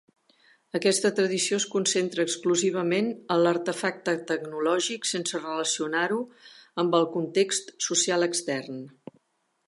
Aquesta tradició es concentra exclusivament en l'artefacte tecnològic, sense relacionar-ho amb el context social extern.